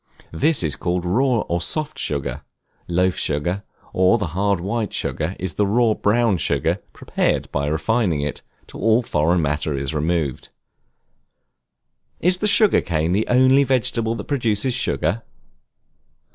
This is called raw or soft sugar: loaf sugar, or the hard white sugar, is the raw brown sugar, prepared by refining it till all foreign matter is removed. Is the Sugar Cane the only vegetable that produces Sugar?